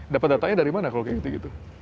dapat datanya dari mana kalau kayak gitu gitu